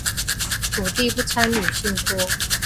土地不參與信託